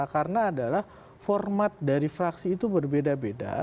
karena adalah format dari fraksi itu berbeda beda